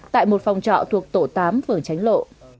tại một phòng trọ thuộc tổ tám phường tránh lộ